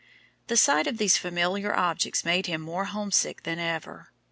The sight of these familiar objects made him more homesick than ever.